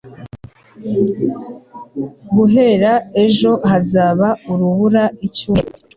Guhera ejo, hazaba urubura icyumweru.